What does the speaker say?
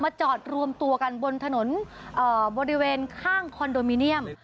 จอดรวมตัวกันบนถนนบริเวณข้างคอนโดมิเนียม